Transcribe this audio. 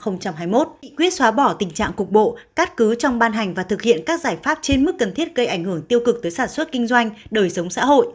quyết xóa bỏ tình trạng cục bộ cắt cứ trong ban hành và thực hiện các giải pháp trên mức cần thiết gây ảnh hưởng tiêu cực tới sản xuất kinh doanh đời sống xã hội